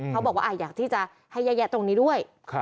เขาบอกว่าอยากที่จะให้แยะตรงนี้ด้วย